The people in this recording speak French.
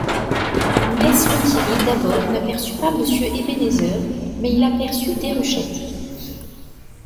Mess Lethierry d’abord n’aperçut pas Monsieur Ebenezer, mais il aperçut Déruchette.